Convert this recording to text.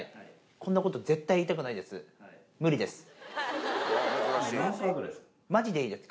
こんなこと絶対言いたくないです。